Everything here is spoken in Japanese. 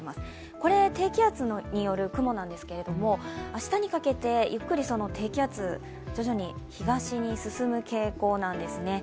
これは低気圧による雲なんですけれども、明日にかけてゆっくり低気圧徐々に東に進む傾向なんですね。